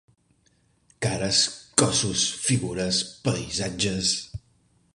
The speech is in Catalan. Cares, cossos, figures, paisatges...